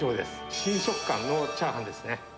新食感のチャーハンですね。